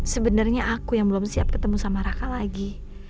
sebenarnya aku yang belum siap ketemu sama raka lagi